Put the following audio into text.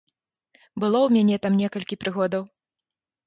Было ў мяне там некалькі прыгодаў.